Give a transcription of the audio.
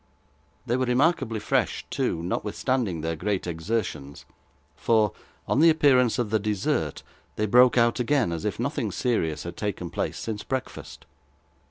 They were remarkably fresh, too, notwithstanding their great exertions: for, on the appearance of the dessert, they broke out again, as if nothing serious had taken place since breakfast.